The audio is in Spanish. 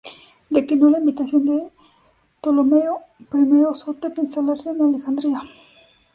Declinó la invitación de Ptolomeo I Sóter de instalarse en Alejandría.